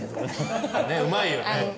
うまいよね。